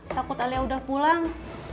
takut alia udah pulang